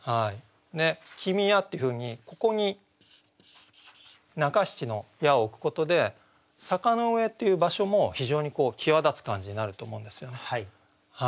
「君や」っていうふうにここに中七の「や」を置くことで「坂の上」っていう場所も非常に際立つ感じになると思うんですよね。